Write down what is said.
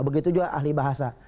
begitu juga ahli bahasa